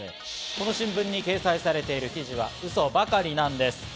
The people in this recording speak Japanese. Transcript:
この新聞に掲載されている記事はウソばかりなんです。